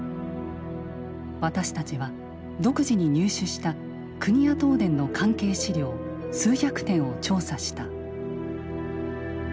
私たちは独自に入手した国や東電の関係資料数百点を調査した。